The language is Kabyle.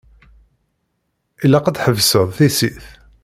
Ilaq ad tḥebseḍ tissit.